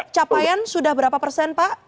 capaian sudah berapa persen pak